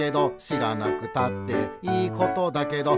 「しらなくたっていいことだけど」